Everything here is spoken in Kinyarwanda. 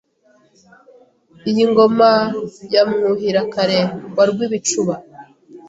Iyi ngoma ya Mwuhirakare wa Rwibicuba